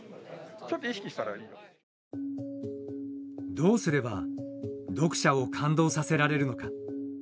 どうすれば読者を感動させられるのか。